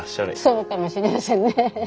そうかもしれませんね。